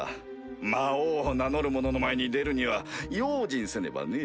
魔王を名乗る者の前に出るには用心せねばね。